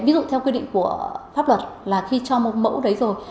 ví dụ theo quy định của pháp luật là khi cho một mẫu đấy rồi